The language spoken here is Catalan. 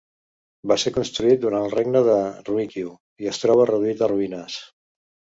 Va ser construït durant el Regne de Ryūkyū i es troba reduït a ruïnes.